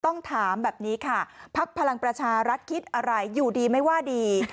ต้องถามแบบนี้ค่ะพักพลังประชารัฐคิดอะไรอยู่ดีไม่ว่าดี